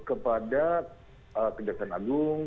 kepada kejaksaan agung